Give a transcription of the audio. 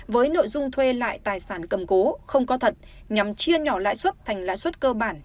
với nội dung thuê lại tài sản cầm cố không có thật nhằm chia nhỏ lãi suất thành lãi suất cơ bản